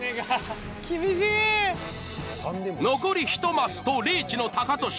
残り１マスとリーチのタカトシ。